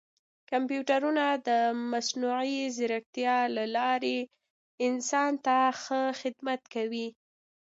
کمپیوټرونه د مصنوعي ځیرکتیا له لارې انسان ته ښه خدمت کوي.